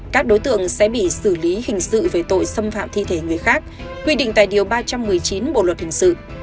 các đối tượng sẽ bị xử lý hình sự về tội xâm phạm thi thể người khác quy định tại điều ba trăm một mươi chín bộ luật hình sự